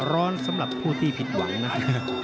สำหรับผู้ที่ผิดหวังนะครับ